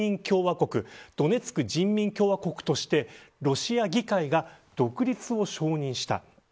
共和国ドネツク人民共和国としてロシア議会が独立を承認した。